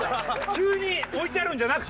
急に置いてあるんじゃなくて？